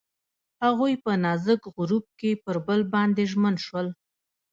هغوی په نازک غروب کې پر بل باندې ژمن شول.